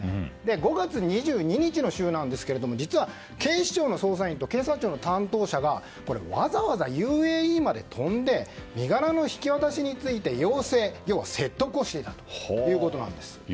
５月２２日の週なんですけど実は警視庁の捜査員と警察庁の担当者がわざわざＵＡＥまで飛んで身柄の引き渡しについて要請要は説得していたということです。